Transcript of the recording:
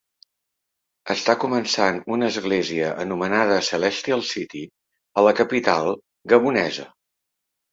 Està començant una església anomenada Celestial City a la capital gabonesa.